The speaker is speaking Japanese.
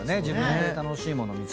自分で楽しいもの